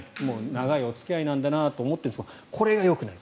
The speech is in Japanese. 長いお付き合いなんだなと思ってるんですがこれがよくない。